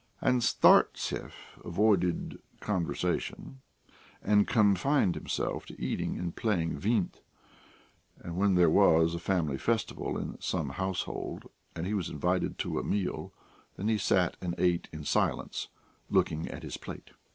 And Startsev avoided conversation, and confined himself to eating and playing vint; and when there was a family festivity in some household and he was invited to a meal, then he sat and ate in silence, looking at his plate.